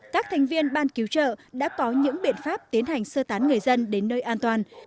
các thành viên ban cứu trợ đã có những biện pháp tiến hành sơ tán người dân đến nơi an toàn